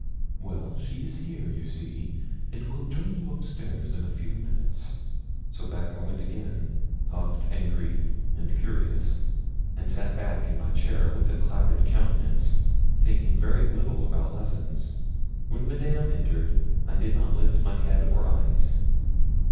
'Well, she is here, you see, and will join you up stairs in a few minutes.' So back I went again, huffed, angry, and curious, and sat back in my chair with a clouded countenance, thinking very little about lessons. When Madame entered, I did not lift my head or eyes.